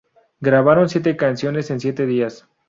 Grabaron siete canciones en siete días.